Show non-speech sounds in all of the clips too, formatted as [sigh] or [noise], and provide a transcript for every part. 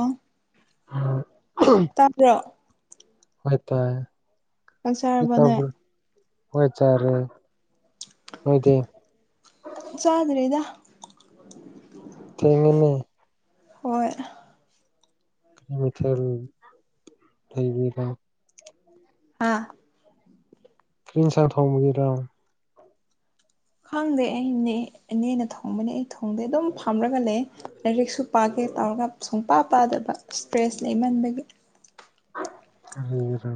ꯑ ꯑ ꯇꯥꯕ꯭ꯔꯣ ꯍꯥꯏꯇꯥ ꯍ ꯆꯪꯆꯔꯕꯣꯅꯦ ꯍꯣꯏꯇꯥꯔꯦ ꯅꯣꯏꯗꯤ ꯆꯥꯗ꯭ꯔꯦꯗ ꯊꯦꯡꯉꯦꯅꯦ ꯍꯣꯏ ꯀꯂꯣꯃꯤꯇꯔ ꯂꯩꯕꯤꯔ ꯍꯥꯥ ꯀ꯭ꯔꯤꯟꯁꯥꯡ ꯊꯣꯡꯃꯒꯦꯔꯝ ꯈꯪꯗꯦ ꯑꯩꯅꯦꯅ ꯊꯣꯡꯕꯅꯦ ꯑꯩ ꯊꯣꯡꯗꯦ ꯑꯗꯨꯝ ꯐꯝꯔꯒ ꯂꯩ ꯂꯥꯏꯔꯤꯛꯁꯨ ꯄꯥ ꯁꯦ ꯇꯧꯔꯒ ꯁꯨꯡꯄꯥ ꯄꯥꯗꯕ ꯏꯁꯇ꯭ꯔꯦꯁ ꯂꯩꯃꯟꯕꯒꯤ ꯎꯝꯔ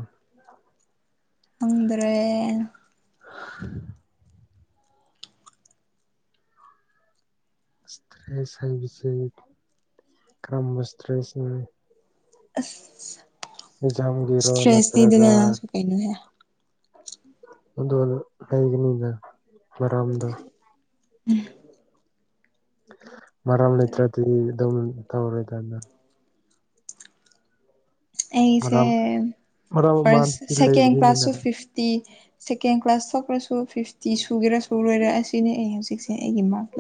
ꯑꯗ꯭ꯔꯦ [inaudible] ꯏꯁꯇ꯭ꯔꯦꯁ ꯍꯥꯏꯕꯤꯕꯁꯤ ꯀꯔꯝꯝꯕ ꯁꯇ꯭ꯔꯦꯁꯤ ꯑꯁ ꯑꯦꯛꯖꯥꯝꯒꯤꯔꯣ ꯏꯁꯇ꯭ꯔꯦꯁꯅꯤꯗꯅꯁꯨ ꯀꯩꯅꯣꯁꯦ ꯑꯗꯨꯗ ꯂꯩꯒꯅꯤꯗ ꯃꯔꯔꯝꯗ ꯎ ꯃꯔꯥꯝ ꯂꯩꯇ꯭ꯔꯗꯤꯗꯤ ꯑꯗꯨꯧꯅ ꯇꯧꯔꯔꯣꯏꯗꯅ ꯑꯩꯁꯦ ꯃꯔꯝ ꯃꯔꯝ ꯑꯃ ꯐꯥꯔꯁ ꯁꯦꯀꯦꯟ ꯀ꯭ꯂꯥꯁꯁꯨ ꯂꯩꯕꯒꯤꯅꯤꯗꯅ ꯐꯤꯐꯇꯤ ꯁꯦꯀꯦꯟ ꯀ꯭ꯂꯥꯁ ꯊꯣꯛꯈ꯭ꯔꯁꯨ ꯐꯤꯐꯇꯤ ꯁꯨꯒꯦꯔꯁꯨ ꯂꯣꯏꯔꯦ ꯑꯁꯤꯅꯤ ꯑꯩ ꯍꯧꯖꯤꯛꯁꯦ ꯑꯩꯒꯤ ꯃꯥꯔ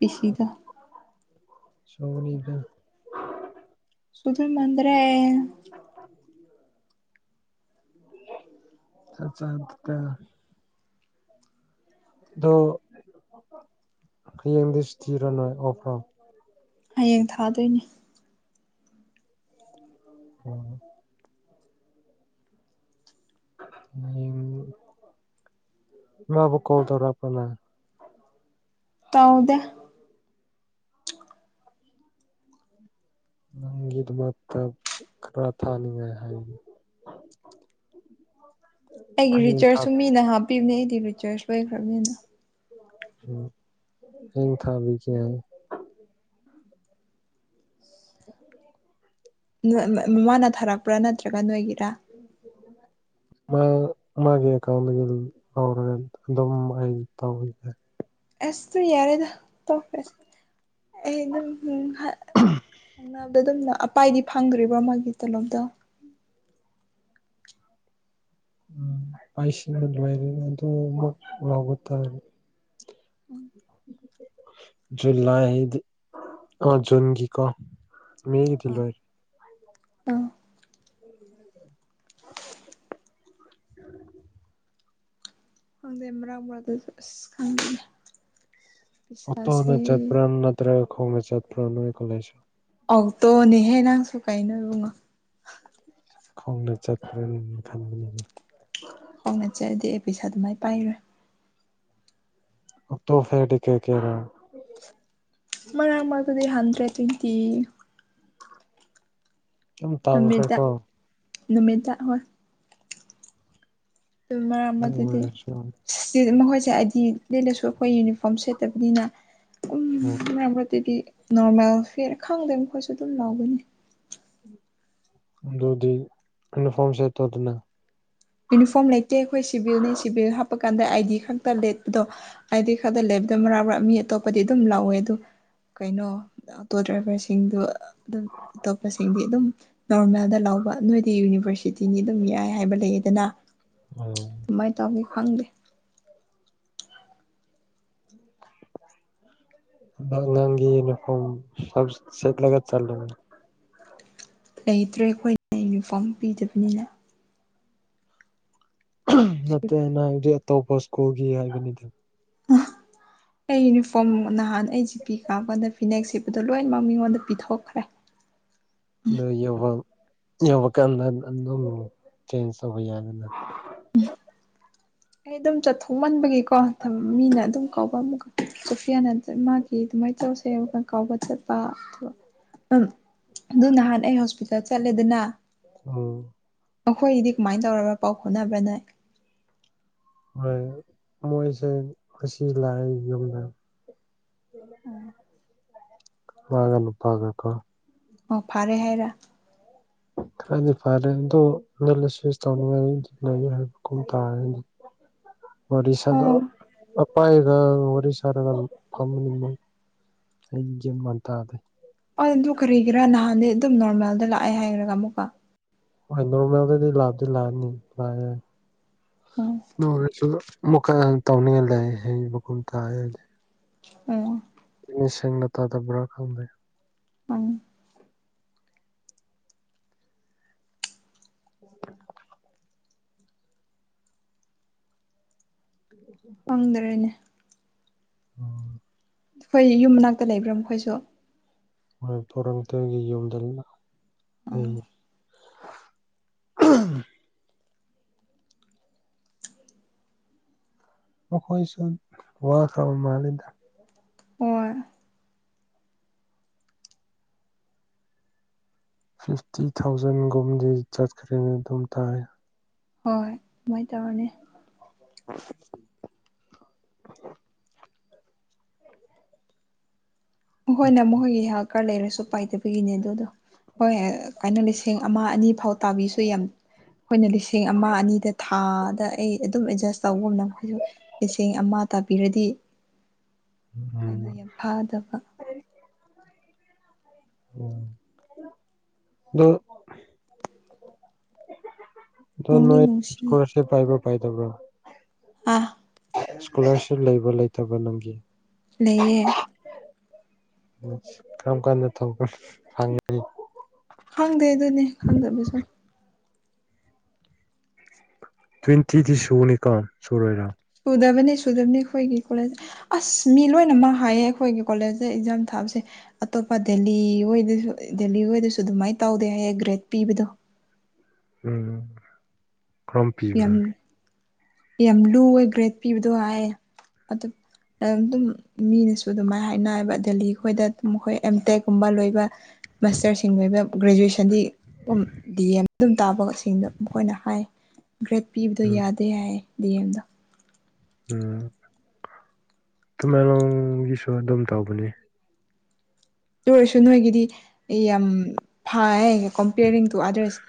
ꯂ ꯁꯤꯗ ꯁꯣꯅꯤꯗ ꯁꯗꯨ ꯃꯗꯔꯦ [inaudible] ꯆꯆꯥꯠꯇ ꯑꯗꯨ ꯍꯌꯦꯡ ꯗꯁꯇꯤꯅ ꯑꯣꯐ꯭ꯔꯝ ꯍꯌꯦꯡ ꯊꯥꯗꯣꯏꯅꯦ ꯎꯝ ꯑ ꯂꯕꯨ ꯀꯣ ꯇꯧꯔ ꯑꯅ ꯇꯥꯎꯗꯦ ꯅꯪꯗ ꯃ ꯈꯔꯥ ꯊꯥꯅꯤ ꯍꯥꯏ ꯍꯥꯏ ꯑꯩꯒꯤ ꯔꯤꯆꯥꯔꯖꯁꯨ ꯃꯤꯅ ꯍꯥꯞꯄꯤꯕꯅꯦ ꯑꯩꯗꯤ ꯔꯤꯆꯥꯔꯖ ꯂꯣꯏꯈ꯭ꯔꯕꯅꯤꯅ ꯎ ꯍ ꯊꯥꯕꯤ ꯀ ꯄꯨꯔꯥ ꯅꯠꯇ꯭ꯔꯒ ꯅꯣꯏꯒꯤꯦ ꯎꯝ ꯎꯝ ꯃꯥ ꯃꯥꯒꯤ ꯑꯦꯀꯥꯎꯟꯗꯒꯤ ꯂꯧꯔꯒ ꯑꯗꯨꯝ ꯑꯩ ꯇꯧꯋꯦ ꯑꯦꯁꯇ ꯌꯥꯔꯦꯗ ꯇꯣꯄꯁꯤ ꯑꯩ ꯑꯗꯨꯝ ꯑꯗꯨꯝꯅ ꯑꯄꯥꯏꯗꯤ ꯐꯪꯗ꯭ꯔꯤꯕ꯭ꯔꯣ ꯃꯥꯒꯤ ꯇꯣꯂꯣꯞꯇꯣ ꯎ ꯄꯥꯏꯁꯤꯔꯤꯅ ꯑꯗꯨꯣ ꯇ ꯖꯨꯂꯥꯏꯗꯤ ꯑ ꯖꯟꯒꯤ ꯀꯣ ꯃꯦꯒꯤ ꯨꯂꯋꯥꯥꯏꯔꯤ ꯑ [unintelligible] ꯈꯪꯗꯦ ꯃꯔꯥꯡ ꯃꯗꯁ ꯈꯪꯦ ꯑꯣꯣ ꯅ ꯆꯠ ꯄ꯭ꯔꯥ ꯅꯠꯇ꯭ꯔ ꯈꯣꯡ ꯆꯠ ꯄ꯭ꯔꯥ ꯀꯣꯂꯁꯨ ꯍꯍꯦ ꯅꯪꯁꯨ ꯀꯥꯏꯅꯕꯉꯣ ꯈꯣꯡ ꯆꯥꯄ ꯈ ꯍꯣꯡꯅꯠꯆꯔꯗꯤ ꯑꯩ ꯄꯩꯁꯥ ꯑꯗꯨꯃꯥꯏꯅ ꯄꯥꯏꯔꯦ ꯇꯣꯐꯦꯀꯦ ꯀꯦꯔ ꯃꯔꯥꯡ ꯑꯃꯗꯨꯗꯤ ꯍꯟꯗ꯭ꯔꯦ ꯊꯦꯡꯀꯤ ꯑꯗꯨ ꯇꯥꯡꯈ꯭ꯔꯦꯀꯣ ꯅꯨꯃꯤꯠꯗꯥ ꯍꯣꯏ ꯑꯗꯨ ꯃꯔꯝ ꯑꯗꯨ ꯑꯗꯨꯗꯤ ꯃꯈꯣꯏ ꯁꯦ ꯍꯥꯏꯗꯤ ꯂꯩꯠꯂꯁꯨ ꯑꯩꯈꯣꯏ ꯌꯨꯅꯤꯐꯣꯔꯝ ꯁꯦꯠꯇꯕꯅꯤꯅ ꯎ ꯎꯝ ꯃꯥꯡꯠꯇꯗꯤ ꯅꯣꯔꯃꯦꯜ ꯐꯦꯠ ꯈꯪꯗꯣꯏ ꯃꯈꯣꯏꯁꯨ ꯑꯗꯨꯝ ꯂꯥꯎꯒꯅꯤ ꯑꯗꯨꯗꯤ ꯌꯨꯅꯤꯐꯥꯝꯁꯦ ꯇꯗꯅ ꯌꯨꯅꯤꯐꯣꯔꯝ ꯂꯩꯇꯦ ꯑꯩꯈꯣꯏ ꯁꯤꯚꯤꯜꯅꯤ ꯁꯤꯚꯤꯜ ꯍꯥꯞꯄ ꯀꯥꯟꯗ ꯑꯥꯏ ꯗꯤ ꯈꯛꯇ ꯑꯗꯣ ꯑꯥꯏ ꯗꯤ ꯈꯛꯇ ꯃꯔ ꯃꯔꯥ ꯃꯤ ꯑꯇꯣꯞꯄꯗꯤ ꯑꯗꯨꯝ ꯂꯧꯋꯦ ꯑꯗꯨꯣ ꯀꯩꯅꯣ ꯑꯣꯇꯣ ꯗ꯭ꯔꯥꯏꯚꯔꯁꯤꯡꯗꯨ ꯑꯗꯨꯝ ꯑꯇꯣꯞꯄꯁꯤꯡꯗꯤ ꯑꯗꯨꯝ ꯅꯣꯔꯃꯦꯜꯗ ꯂꯥꯎ ꯇ ꯅꯣꯏꯗꯤ ꯌꯨꯅꯤꯚꯔꯁꯤꯇꯤꯅꯤ ꯑꯗꯨꯝ ꯌꯥꯏ ꯍꯥꯏꯕ ꯂꯩ ꯑꯗꯨꯅ ꯑꯗ ꯀꯃꯥꯏꯅ ꯇꯧꯒꯦ ꯈꯪꯗꯦ [unintelligible] ꯉꯥꯡ ꯌꯨꯅꯤꯐꯣꯔ ꯁ ꯆꯠꯂ ꯆꯠꯂ ꯂꯩꯇ꯭ꯔꯦ ꯑꯩꯈꯣꯏꯅ ꯌꯨꯅꯤꯐꯣꯔꯝ ꯄꯤꯗꯕꯅꯤꯅ ꯅꯠꯇꯦꯅ ꯍꯥꯏꯕꯗꯤ ꯑꯇꯣꯞꯄ ꯁ꯭ꯀꯨꯜꯒꯤ ꯍꯥꯏꯕꯅꯤꯗ ꯑ ꯑꯩ ꯌꯨꯅꯤꯐꯣꯔꯝ ꯅꯍꯥꯟ ꯑꯩꯁꯤꯖꯤꯄꯤ ꯀꯥꯄꯥꯟꯗ ꯐꯤꯅꯦꯛ ꯁꯦꯠꯄꯗꯣ ꯂꯣꯏꯅꯃꯛ ꯃꯤꯉꯣꯟꯗ ꯄꯤꯊꯣꯛꯈ꯭ꯔꯦ [unintelligible] ꯑꯕ ꯌꯧꯕ ꯀꯥꯟꯗ ꯑꯗꯨꯝ ꯆꯦꯟꯖ ꯇꯧꯕ ꯌꯥꯗꯅ ꯑꯩ ꯑꯗꯨꯝ ꯆꯠꯊꯣꯛꯃꯟꯕꯒꯤꯀꯣ ꯃꯤꯅ ꯑꯗꯨꯝ ꯀꯧꯕꯥꯎ ꯑꯃꯨꯛ ꯆꯨꯐꯌꯥꯅ ꯃꯥꯒꯤ ꯑꯗꯨꯃꯥꯏꯅ ꯇꯧꯁꯦꯕ ꯀꯥꯎꯕ ꯆꯠꯄ ꯑ ꯎꯝ ꯑꯗꯨ ꯅꯍꯥꯟ ꯑꯩ ꯍꯣꯁꯄꯤꯇꯥꯜ ꯆꯠꯂꯦꯗꯅ ꯎꯝ ꯑꯩꯈꯣꯏꯗꯤ ꯀꯃꯥꯏꯅ ꯇꯧꯔꯕ ꯄꯥꯎ ꯍꯣꯠꯅꯕ꯭ꯔꯥꯅ ꯍꯣꯏ ꯃꯣꯏꯁꯦ ꯃꯁꯤ ꯂꯥꯛꯑ ꯌꯨꯝꯗ ꯋꯥꯒꯅꯤꯄꯥꯒꯦꯀꯣ ꯑꯣ ꯐꯔꯦ ꯍꯥꯏꯔ ꯈꯔꯗꯤ ꯐꯔꯦ ꯑꯗꯣ ꯇꯧꯅꯤꯡꯉꯥꯏ ꯂꯩ ꯍꯥꯏꯕ ꯇꯥ ꯎꯝ ꯑꯣꯔꯤꯁꯥꯗ ꯄꯥꯥꯏꯒ ꯍꯔꯤꯁꯔꯒ ꯀꯅꯤ ꯑꯩ ꯌꯦꯟ ꯃꯇꯗꯦ ꯑꯣ ꯑꯗꯨ ꯀꯔꯤꯒꯤꯔꯥ ꯅꯍꯥꯟꯗꯤ ꯑꯗꯨꯝ ꯅꯣꯔꯃꯦꯜꯗ ꯂꯥꯛꯑꯦ ꯍꯥꯏꯈ꯭ꯔꯒ ꯑꯃꯨꯛꯀ ꯃ ꯃ ꯑꯣꯗꯤ ꯂꯥꯕꯗꯤ ꯂꯥꯅꯤ ꯂ ꯑꯣ ꯇꯧ ꯂꯩ ꯍꯨꯇ ꯎꯝ ꯏꯁ ꯇꯥꯗꯕ꯭ꯔꯥ ꯈꯪꯗꯦ ꯎ ꯎ ꯎꯝ ꯐꯪꯗꯔꯦꯅꯦ ꯎꯝ ꯑꯩꯈꯣꯏ ꯌꯨꯝ ꯃꯅꯥꯛꯇ ꯂꯩꯕ꯭ꯔꯥ ꯃꯈꯣꯏꯁꯨ ꯍꯣꯏ ꯄꯣꯔꯛꯇꯒꯤ ꯌꯨꯝꯗ ꯂꯩ ꯑꯣ [inaudible] ꯑꯣꯈꯣꯏꯁꯨ ꯋꯥꯔ ꯈ ꯃꯥꯅꯤꯗ ꯑꯣ ꯐꯤꯐꯇꯤ ꯊꯥꯎꯖꯟꯒꯨꯝꯗꯤ ꯆꯠꯈ꯭ꯔꯦꯅꯦ ꯑꯗꯨꯝ ꯇꯥꯏ ꯍꯣꯏ ꯑꯗꯨꯃꯥꯏꯅ ꯇꯧꯔꯅꯦ [inaudible] ꯍꯣꯏꯅꯦ ꯃꯈꯣꯏꯒꯤ ꯍꯦꯜꯀꯥꯔ ꯂꯩꯔꯁꯨ ꯄꯥꯏꯗꯕꯒꯤꯅꯦ ꯑꯗꯨꯗꯣ ꯍꯣꯏ ꯁ ꯀꯥꯏꯅ ꯂꯤꯁꯤꯡ ꯑꯃ ꯑꯅꯤ ꯐꯥꯎ ꯇꯥꯕꯤꯁꯨ ꯌꯥꯝ ꯑꯩꯈꯣꯏꯅ ꯂꯤꯁꯤꯡ ꯑꯃ ꯑꯅꯤꯗ ꯊꯥ ꯗ ꯑꯩ ꯑꯗꯨꯝ ꯑꯦꯗꯖꯁ ꯇꯧꯕ ꯑꯃꯅ ꯃꯈꯣꯏꯁꯨ ꯂꯤꯁꯤꯡꯦꯡ ꯑꯃ ꯇꯥꯕꯤꯔꯗꯤ ꯀꯥꯏꯅꯣ ꯌꯥꯝ ꯐꯥꯗꯕ ꯎ ꯑꯣ [inaudible] ꯊ ꯅꯨꯡꯗꯤ ꯅꯨꯡꯁꯤ ꯅꯣꯏꯀꯔꯁꯦ ꯄꯥꯏꯕ ꯄꯥꯏꯗꯕ꯭ꯔ ꯑ ꯏꯁꯀꯣꯂꯥꯔꯁꯤꯞ ꯂꯩꯕ ꯂꯩꯇꯕ ꯅꯪꯒꯤ ꯂꯩꯌꯦ ꯀꯔꯝ ꯀꯥꯟꯗ ꯊꯄ ꯐꯪꯉꯤ ꯈꯪꯗꯦ ꯑꯗꯨꯅꯦ ꯈꯪꯗꯕꯤꯁꯨ ꯇ꯭ꯋꯦꯟꯇꯤꯗꯤ ꯁꯨꯅꯤ ꯀꯝ ꯁꯨꯔꯣꯏꯔꯥ ꯁꯨꯗꯕꯅꯤ ꯁꯨꯗꯕꯅꯤ ꯑꯩꯈꯣꯏꯒꯤ ꯀꯣꯂꯦꯖ ꯑꯁ ꯃꯤ ꯂꯣꯏꯅꯃꯛ ꯍꯥꯏꯌꯦ ꯑꯩꯈꯣꯏꯒꯤ ꯀꯣꯂꯦꯖꯇ ꯑꯦꯛꯖꯥꯝ ꯊꯥꯕꯁꯦ ꯑꯇꯣꯞꯄ ꯗꯦꯜꯂꯤ ꯍꯗꯁꯨ ꯗꯦꯜꯂꯤ ꯍꯗꯁꯨ ꯑꯗꯨꯃꯥꯏꯅ ꯇꯧꯗꯦ ꯍꯥꯏꯌꯦ ꯒ꯭ꯔꯦꯗ ꯄꯤꯕꯗꯣ ꯎꯝ ꯀꯝ ꯌꯥꯝ ꯄꯤꯕ꯭ꯔꯥ ꯌꯥꯝ ꯂꯨ ꯑꯣꯏ ꯒ꯭ꯔꯦꯠ ꯄꯤꯕꯗꯣ ꯍꯥꯏꯌꯦ ꯑꯗꯨ ꯑꯗꯨꯝ ꯃꯤꯅꯁꯨ ꯑꯗꯨꯃꯥꯏꯅ ꯍꯥꯏꯅꯕ ꯗꯦꯜꯂꯤ ꯈꯈꯣꯏꯗ ꯑꯩꯈꯣꯏ ꯑꯦꯝꯇꯦꯛꯀꯨꯝꯕ ꯂꯣꯏꯕ ꯃꯁꯇꯔꯁꯤꯡ ꯑꯣꯏꯕ ꯒ꯭ꯔꯦꯖꯨꯋꯦꯁꯟꯗꯤ ꯗꯤꯦꯝ ꯑꯗꯨꯝ ꯇꯥꯕꯁꯤꯡꯗꯣ ꯃꯈꯣꯏꯅ ꯍꯥꯏ ꯒ꯭ꯔꯦꯗ ꯄꯤꯕꯗꯣ ꯎꯝ ꯌꯥꯗꯦ ꯍꯥꯏ ꯌꯦꯟꯗ ꯎꯝ ꯇꯨꯃꯦꯂꯣꯡꯒꯤꯁꯨ ꯑꯗꯨꯝ ꯇꯧꯕꯅꯦ ꯂꯣꯏꯔꯁꯨ ꯅꯣꯏꯒꯤꯗꯤ ꯌꯥꯝ ꯐ ꯀꯝꯄꯤꯌꯔꯤꯡ ꯇꯨ ꯑꯥꯗꯔꯁ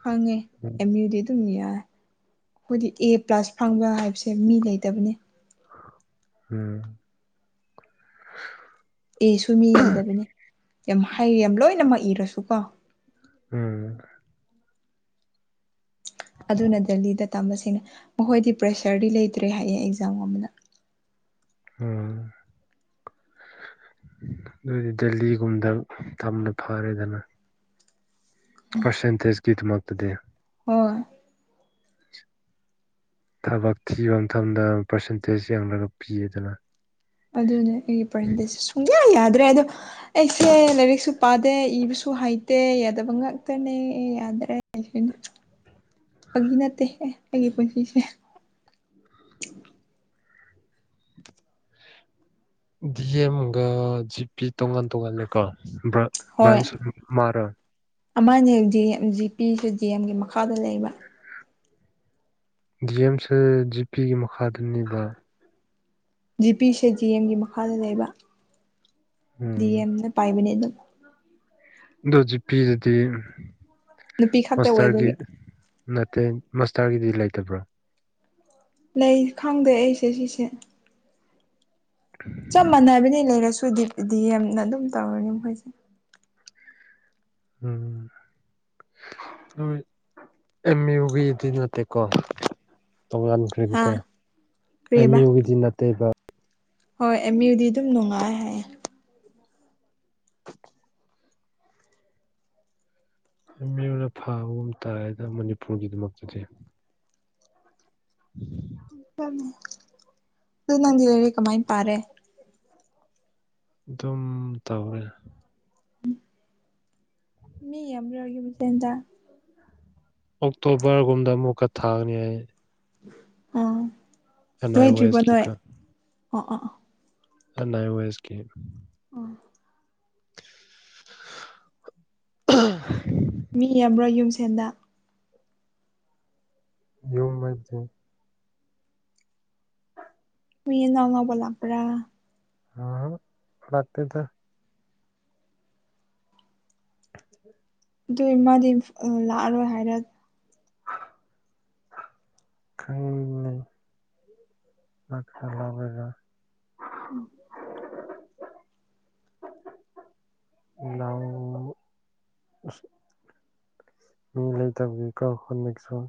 ꯈꯪꯉꯦ ꯎꯝ ꯑꯦꯝ ꯌꯨꯗꯤ ꯑꯗꯨꯝ ꯌꯥ ꯑꯩꯈꯣꯏꯗꯤ ꯑꯦ ꯄ꯭ꯂꯁ ꯐꯪꯕ ꯍꯥꯏꯕꯁꯦ ꯃꯤ ꯂꯩꯇꯕꯅꯤ ꯎꯝ ꯑꯦꯁꯨ ꯃꯤ ꯌꯥꯝꯗꯕꯅꯤ ꯌꯥꯝ ꯍꯥꯏꯔꯤ ꯌꯥꯝ ꯂꯣꯏꯅꯃꯛ ꯏꯔꯁꯨ ꯀꯣ ꯎꯝ ꯑꯗꯨꯅ ꯗꯦꯜꯂꯤꯗ ꯇꯝꯕꯁꯤꯡꯅꯦ ꯃꯈꯣꯏꯗꯤ ꯄ꯭ꯔꯦꯁꯔꯗꯤ ꯂꯩꯇ꯭ꯔꯦ ꯍꯥꯏꯌꯦ ꯑꯦꯛꯖꯥꯝ ꯑꯃꯗ ꯎꯝ ꯑꯗꯨꯏꯗꯤ ꯗꯦꯜꯂꯤꯒꯨꯝꯗ ꯇꯝꯅ ꯐꯔꯦꯗꯅ ꯄꯔꯁꯦꯟꯇꯦꯖ ꯒꯤꯠ ꯃꯛꯇꯗꯤ ꯍ ꯊꯕꯛ ꯊꯤꯕ ꯃꯇꯝꯗ ꯄꯥꯔꯁꯦꯟꯇꯦꯖ ꯌꯦꯡꯂꯒ ꯄꯤꯌꯦꯗꯅ ꯑꯗꯨꯅꯦ ꯑꯩꯒꯤ ꯄꯔꯁꯦꯟꯇꯦꯖꯦ ꯁꯨꯡꯌꯥ ꯌꯥꯗ꯭ꯔꯦ ꯑꯗꯣ ꯑꯩꯁꯦ ꯂꯥꯏꯔꯤꯛꯁꯨ ꯄꯥꯗꯦ ꯏꯕꯁꯨ ꯍꯩꯇꯦ ꯌꯥꯗꯕ ꯉꯇꯅꯦ ꯌꯥꯗ꯭ꯔꯦ ꯁ ꯐꯒꯤ ꯅꯠꯇꯦ ꯑꯦ ꯑꯩꯒꯤ ꯄꯨꯟꯁꯤꯁꯦ [inaudible] ꯗꯤ ꯑꯦꯝꯒ ꯖꯤꯄꯤ ꯇꯣꯉꯥꯟ ꯇꯣꯉꯥꯟꯂꯦꯀꯣ ꯍꯣꯏ ꯕ꯭ꯔꯥꯟꯁ ꯃꯥꯔ ꯑꯃꯅꯦ ꯖꯤ ꯑꯦꯝ ꯖꯤ ꯄꯁꯨ ꯖꯤ ꯑꯦꯝꯒꯤ ꯃꯈꯥꯗ ꯂꯩꯕ ꯗꯤ ꯑꯦꯝꯁꯦ ꯖꯤꯄꯤꯤꯒꯤ ꯃꯈꯥꯗꯅꯤꯕ ꯖꯤꯄꯤꯁꯦ ꯖꯤ ꯑꯦꯝꯒꯤ ꯃꯈꯥꯗ ꯂꯩꯕ ꯗꯤ ꯎꯝ ꯑꯦꯝꯅ ꯄꯥꯏꯕꯅꯦ ꯑꯗꯨꯝ [inaudible] ꯑꯗꯨ ꯍꯧꯖꯤ ꯄꯤꯗꯨꯗꯤ ꯅꯨꯄꯤ ꯈꯛꯇ ꯑꯣꯏꯕꯒꯤ ꯅꯠꯇꯦ ꯃꯁꯇꯔꯒꯤꯗꯨꯗꯤ ꯂꯩꯇꯕ꯭ꯔꯥ ꯂꯩ ꯈꯪꯗꯦ ꯑꯩꯁꯦ ꯁꯤꯁꯦ ꯆꯞ ꯃꯥꯟꯅꯕꯅꯤ ꯂꯩꯔꯁꯨꯗꯤ ꯗꯤ ꯌꯥꯝꯅ ꯑꯗꯨꯝ ꯇꯧꯔꯅꯤ ꯃꯈꯣꯏꯁꯦ ꯎꯝ ꯅꯣꯏ ꯑꯦꯝ ꯌ ꯌꯨꯒꯤꯗꯤ ꯅꯠꯇꯦꯀꯣ ꯇꯣꯉꯥꯟꯈ꯭ꯔꯦꯗꯤꯀꯣ ꯍꯥ ꯑꯦꯝ ꯌꯨꯒꯤꯗꯤ ꯅꯠꯇꯦꯕ ꯍꯣꯏꯃꯤꯨꯗꯤ ꯑꯗꯨꯝ ꯅꯨꯡꯉꯥꯏ ꯍꯥꯏꯌꯦ ꯃꯤꯅ ꯐꯥꯕꯒꯨꯝ ꯇꯥꯏꯗ ꯃꯅꯤꯄꯨꯔꯒꯤꯗꯃꯛꯇꯗꯤ ꯎ ꯑꯗꯨ ꯅꯗꯤꯔꯤ ꯀꯃꯥꯏ ꯄꯥꯔꯦ ꯑꯗꯨꯝ ꯇꯧꯔꯦ ꯃꯤ ꯌꯥꯝꯔ ꯑꯣꯏꯔꯒꯤ ꯃꯤꯇꯦꯟꯗ ꯑꯣꯛꯇꯣꯕꯔꯒꯨꯝꯗ ꯑꯃꯨꯛꯀ ꯊꯥꯒꯅꯤ ꯑꯩ ꯑ ꯑꯦꯟ ꯑꯥꯏ ꯋꯥ ꯑꯦꯁꯀꯤꯀꯥ ꯑꯣ ꯑ ꯅꯅꯥꯏ ꯋꯥꯏꯁ ꯀꯦ [inaudible] ꯑ ꯃꯤ ꯌꯥꯝꯕ꯭ꯔꯣ ꯌꯨꯝꯁꯦꯟꯗ ꯌꯨꯝ ꯃꯦ ꯃꯤꯨ ꯅꯉꯕꯣꯂꯥꯄ꯭ꯔꯥ ꯑ ꯐꯥꯛꯇꯗ ꯎ ꯑꯗꯨ ꯃꯥꯗꯤ ꯂꯥꯛꯑꯔꯣꯏ ꯍꯥꯏꯔ ꯀ ꯑꯁꯖ [inaudible] ꯏ ꯃꯤ ꯂꯩꯇꯕꯕꯤ ꯀ ꯈꯣꯃꯤꯁꯨꯣ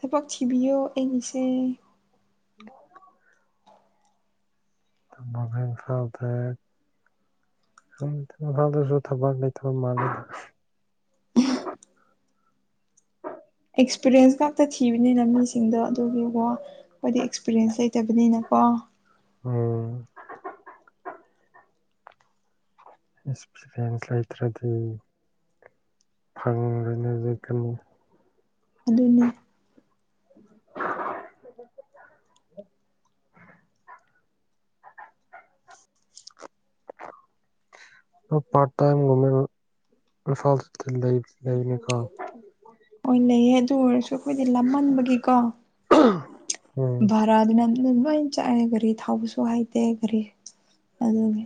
ꯊꯄꯛ ꯊꯕꯤꯤꯑꯣ ꯑꯩꯅꯤꯁꯦ [inaudible] ꯃꯚꯤꯟ ꯆꯥꯎꯇ ꯊ ꯐꯁꯨ ꯊꯕ ꯊ ꯃꯥ ꯑꯦꯛꯁꯄꯤꯔꯦꯟꯁ ꯉꯥꯛꯇ ꯊꯤꯕꯅꯤꯅ ꯃꯤꯁꯤꯡꯗꯣ ꯑꯗꯨꯒꯤꯀꯣ ꯑꯩꯣꯏꯗꯤ ꯑꯦꯛꯁꯄꯤꯔꯦꯟꯁ ꯂꯩꯇꯕꯅꯤꯅꯀꯣ ꯑꯣꯝ ꯑꯦꯛꯁꯄꯤꯔꯤꯌꯦꯟꯁ ꯂꯩꯇ꯭ꯔꯗꯤ ꯐꯥꯒꯨꯡꯅꯖꯦ ꯀꯩꯅ ꯍꯂꯅꯦ ꯄꯥ ꯑꯣꯏꯅ ꯂꯩꯌꯦ ꯑꯗꯨ ꯑꯣꯏꯔꯁꯨ ꯑꯩꯈꯣꯏꯗꯤ ꯂꯃꯟꯕꯒꯤꯀꯣ ꯎꯝ ꯚꯔꯥꯗꯨꯅ ꯑꯗꯨꯝ ꯂꯣꯏꯅ ꯆꯥꯛꯂꯦ ꯒꯥꯔꯤ ꯊꯥꯎꯕꯁꯨ ꯍꯥꯏꯇꯦ ꯒꯥꯔꯤ ꯑꯗꯨꯒꯤ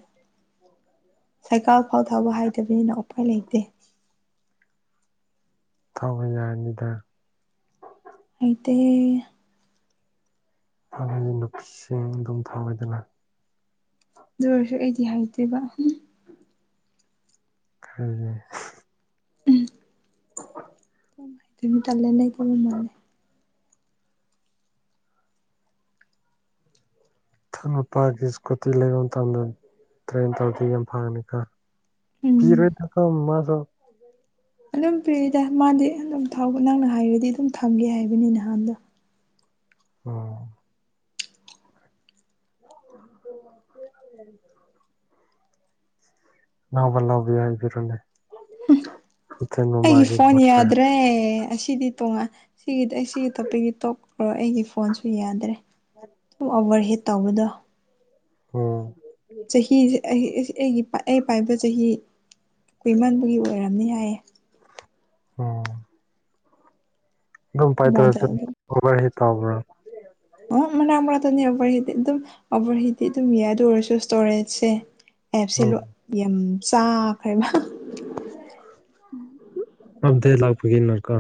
ꯁꯥꯏꯀꯥꯜ ꯐꯥꯎ ꯊꯥꯕ ꯍꯥꯏꯗꯕꯅꯤꯅ ꯎꯄꯥꯏ ꯂꯩꯇꯦ ꯊꯧ ꯍ ꯌꯥꯅꯤꯗ ꯑꯇ ꯐ ꯅꯨꯁꯤꯡ ꯑꯗꯨꯝ ꯊꯥꯝ ꯑꯣꯏꯗꯅ ꯑꯗꯨ ꯑꯣꯏꯔꯁꯨ ꯑꯩꯗꯤ ꯍꯥꯏꯗꯦꯕ ꯐꯅꯦ ꯇꯂꯦꯅ ꯀꯕꯨ ꯃꯥꯅꯦ ꯅꯨꯄꯥꯒꯤ ꯏꯁꯀꯨꯇꯤ ꯂꯩꯕ ꯃꯇꯝꯗ ꯇ꯭ꯔꯦꯟ ꯇꯧꯔꯗꯤ ꯌꯥꯝ ꯐꯪꯉꯅꯤ ꯀ ꯎꯝ ꯐꯤꯔꯣꯏ ꯊꯀꯣ ꯃꯥꯁꯨ ꯑꯗꯨꯝ ꯄꯤꯔꯤꯗ ꯃꯥꯗꯤ ꯑꯗꯨꯝ ꯊꯥꯎ ꯅꯪꯅ ꯍꯥꯏꯔꯗꯤ ꯑꯗꯨꯝ ꯊꯝꯒꯦ ꯍꯥꯏꯕꯅꯤ ꯅꯍꯥꯟꯗꯣ ꯑ [unintelligible] ꯅꯅꯥꯕꯂꯕꯤ ꯍꯥꯏꯕꯤꯔꯣꯅꯦꯦ ꯑꯩꯒꯤ ꯐꯣꯟꯅꯤꯗ꯭ꯔꯦ ꯁꯤꯗꯤ ꯇꯣꯉꯥꯟ ꯁꯤꯒꯤꯗꯤ ꯑꯩ ꯁꯤꯒꯤ ꯇꯣꯄꯤꯛꯒꯤ ꯇꯣꯞ ꯑꯣꯏ꯭ꯔꯣ ꯑꯩꯒꯤ ꯐꯣꯟꯁꯨ ꯌꯥꯗ꯭ꯔꯦ ꯑꯚꯔ ꯍꯦꯠ ꯇꯧꯕꯗ ꯑꯣ ꯆꯍꯤꯁꯦ ꯑꯩ ꯑꯩꯒꯤ ꯑꯩ ꯄꯥꯏꯕ ꯆꯍꯤ ꯀꯨꯏꯃꯟꯕꯒꯤ ꯑꯣꯏꯔꯝꯅꯤ ꯍꯥꯏꯌꯦ ꯎꯝ ꯝ ꯄꯥꯏꯊꯔꯁ ꯃꯣꯗꯦꯜꯗꯣ ꯈ ꯍ ꯇꯕ꯭ꯔ ꯑ ꯃ ꯑꯃ ꯑꯗꯨꯇꯅꯤ ꯑꯣꯚꯔꯍꯤꯤꯠꯇꯤ ꯑꯗꯨꯝ ꯑꯣꯚꯔꯍꯤꯤꯠꯇꯤ ꯑꯗꯨꯝ ꯌꯥꯗ ꯑꯣꯏꯔꯁꯨ ꯏꯁꯇꯣꯔꯦꯖꯁꯦ ꯑꯦꯞꯁꯦ ꯎꯝ ꯌꯥꯝ ꯆꯥꯈ꯭ꯔꯦꯕ ꯑꯕꯗ ꯂꯥꯛꯄꯒꯟꯅꯀꯣ